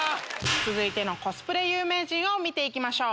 続いてのコスプレ有名人を見て行きましょう。